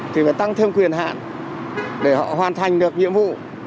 thì phải tăng thêm quyền hạn để họ hoàn thành được nhiệm vụ